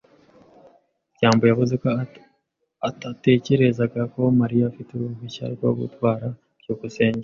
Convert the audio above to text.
byambo yavuze ko atatekerezaga ko Mariya afite uruhushya rwo gutwara. byukusenge